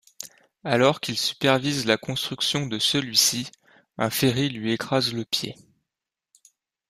Alors qu'il supervise la construction de celui-ci, un ferry lui écrase le pied.